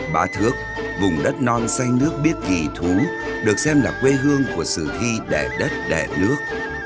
bá thước vùng đất non xanh nước biếc kỳ thú được xem là quê hương của sử thi đẻ đất đẻ nước